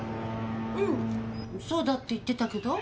うんそうだって言ってたけど？